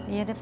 iya deh pak